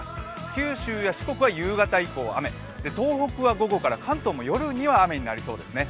九州や四国は夕方以降雨、東北は午後から、関東も夜には雨になりそうですね。